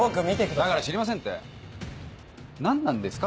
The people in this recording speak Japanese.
だから知りませんって何なんですか？